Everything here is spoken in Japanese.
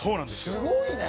すごいね。